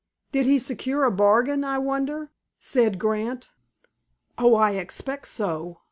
"Did he secure a bargain, I wonder?" said Grant. "Oh, I expect so.